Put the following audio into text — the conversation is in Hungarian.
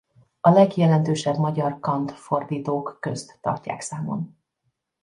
A legjelentősebb magyar Kant-fordítók közt tartják számon.